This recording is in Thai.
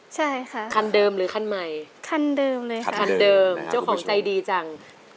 ใช่ค่ะคันเดิมหรือคันใหม่คันเดิมเลยค่ะคันเดิมเจ้าของใจดีจัง